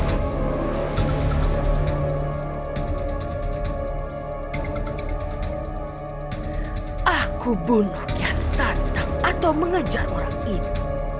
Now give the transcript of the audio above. aku akan membunuh kian santam atau mengejar orang itu